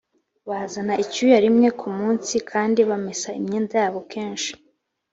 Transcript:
bazana icyuya rimwe ku munsi kandi bamesa imyenda yabo kenshi.